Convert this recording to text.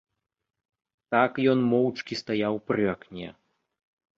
Так ён моўчкі стаяў пры акне.